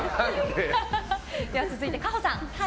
続いて、かほさん。